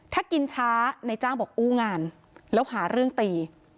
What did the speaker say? ถ้ากินช้าในจ้างบอกอู้งานแล้วหาเรื่องตี